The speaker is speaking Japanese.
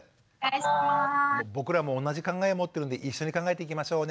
僕らも同じ考え持ってるんで一緒に考えていきましょう。